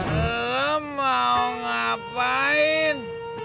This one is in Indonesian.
lelem mau ngapain